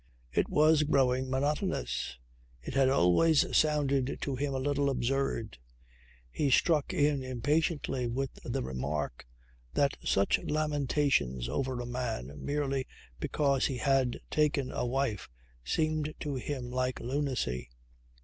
It was growing monotonous; it had always sounded to him a little absurd. He struck in impatiently with the remark that such lamentations over a man merely because he had taken a wife seemed to him like lunacy.